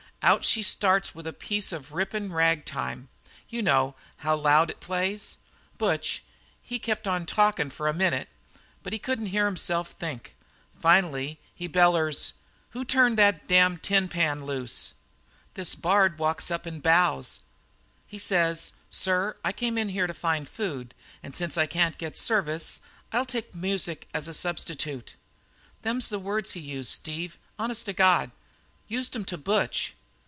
Out she starts with a piece of rippin' ragtime you know how loud it plays? Butch, he kept on talkin' for a minute, but couldn't hear himself think. Finally he bellers: 'Who turned that damned tin pan loose?' "This Bard walks up and bows. He says: 'Sir, I came here to find food, and since I can't get service, I'll take music as a substitute.' "Them was the words he used, Steve, honest to God. Used them to Butch!